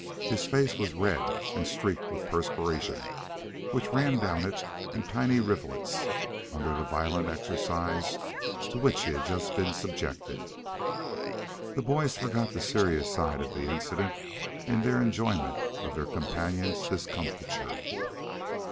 His face was red and streaked with perspiration which ran down it in tiny rivulets under the violent exercise to which he had just been subjected. The boys forgot the serious side of the incident in their enjoyment of their companion's discomfiture.